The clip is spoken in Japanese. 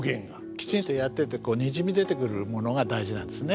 きちんとやっててにじみ出てくるものが大事なんですね。